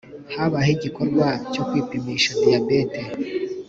Habayeho igikorwa cyo kwipimisha diyabete